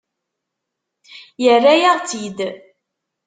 Yerra-yaɣ-tt-id.